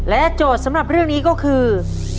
โจทย์สำหรับเรื่องนี้ก็คือ